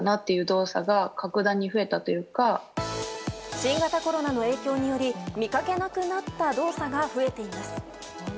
新型コロナの影響により見かけなくなった動作が増えています。